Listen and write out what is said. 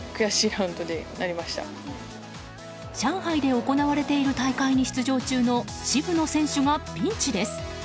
上海で行われている大会に出場中の渋野選手がピンチです。